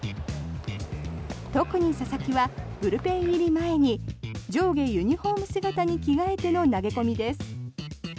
特に佐々木はブルペン入り前に上下ユニホーム姿に着替えての投げ込みです。